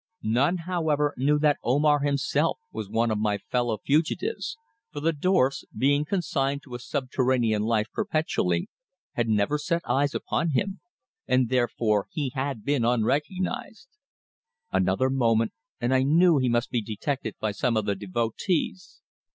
None, however, knew that Omar himself was one of my fellow fugitives, for the dwarfs, being consigned to a subterranean life perpetually, had never set eyes upon him, and therefore he had been unrecognized. Another moment, and I knew he must be detected by some of the devotees.